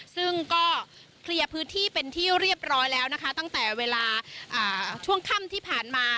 ซึ่งก็เคลียร์พื้นที่เป็นที่เรียบร้อยแล้วนะคะตั้งแต่เวลาช่วงค่ำที่ผ่านมา